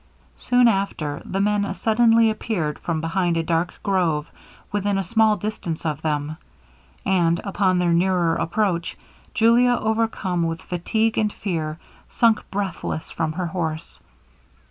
Soon after the men suddenly appeared from behind a dark grove within a small distance of them; and, upon their nearer approach, Julia, overcome with fatigue and fear, sunk breathless from her horse.